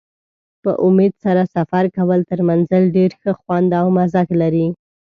په امید سره سفر کول تر منزل ډېر ښه خوند او مزه لري.